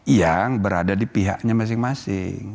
yang berada di pihaknya masing masing